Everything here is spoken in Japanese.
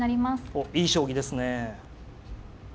おっいい将棋ですね。